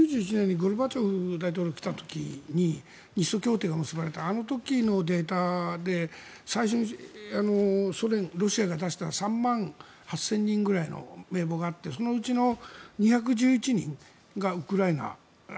９１年にゴルバチョフ大統領が来た時に日ソ協定が結ばれてあの時のデータで最初にロシアが出した３万８０００人くらいの名簿があってそのうちの２１１人がウクライナ。